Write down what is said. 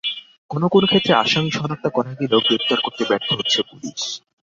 কোনো কোনো ক্ষেত্রে আসামি শনাক্ত করা গেলেও গ্রেপ্তার করতে ব্যর্থ হচ্ছে পুলিশ।